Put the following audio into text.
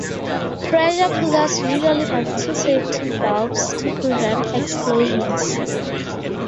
Pressure cookers usually have two safety valves to prevent explosions.